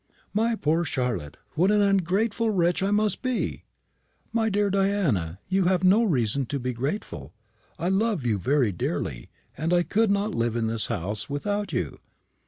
"My poor Charlotte! What an ungrateful wretch I must be!" "My dear Diana, you have no reason to be grateful. I love you very dearly, and I could not live in this house without you.